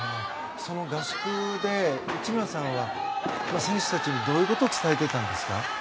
その合宿で、内村さんは選手たちにどういうことを伝えていたんですか。